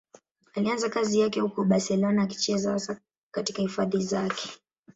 Alianza kazi yake huko Barcelona, akicheza hasa katika hifadhi zake.